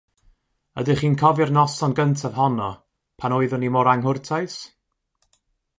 Ydych chi'n cofio'r noson gyntaf honno, pan oeddwn i mor anghwrtais?